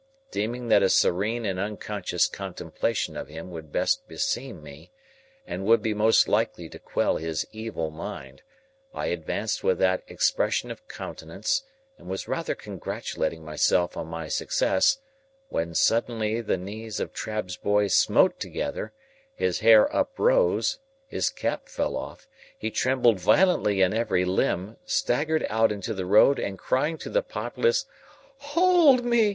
Deeming that a serene and unconscious contemplation of him would best beseem me, and would be most likely to quell his evil mind, I advanced with that expression of countenance, and was rather congratulating myself on my success, when suddenly the knees of Trabb's boy smote together, his hair uprose, his cap fell off, he trembled violently in every limb, staggered out into the road, and crying to the populace, "Hold me!